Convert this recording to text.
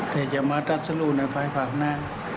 แต่จะมาตัดสรุปในภายผากหน้า